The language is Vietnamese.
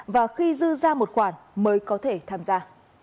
và khi dư ra một khoản mới có thể tham gia